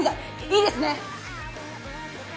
いいですね